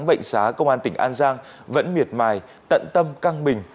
bệnh xá công an tỉnh an giang vẫn miệt mài tận tâm căng mình